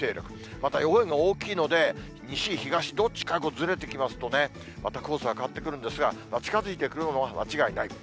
また予報円が大きいので、西、東、どっちかにずれてきますと、またコースは変わってくるんですが、近づいてくるのは間違いない。